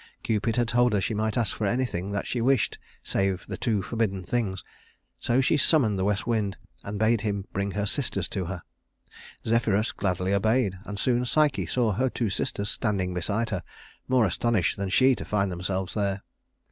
Cupid had told her she might ask for anything that she wished save the two forbidden things, so she summoned the west wind and bade him bring her sisters to her. Zephyrus gladly obeyed, and soon Psyche saw her two sisters standing beside her, more astonished than she to find themselves there.